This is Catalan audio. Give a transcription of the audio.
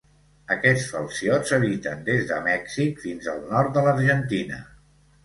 Aquests falciots habiten des de Mèxic fins al nord de l'Argentina.